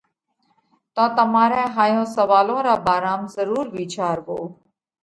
تو تمارئہ ھائيون سوئالون را ڀارام ضرور وِيچاروو۔